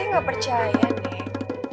saya gak percaya nek